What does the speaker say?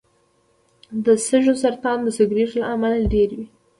د سږو سرطان د سګرټو له امله ډېر دی.